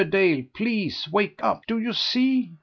Dale, please, wake up. Do you see?